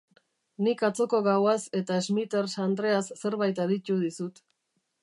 Nik atzoko gauaz eta Smithers andreaz zerbait aditu dizut.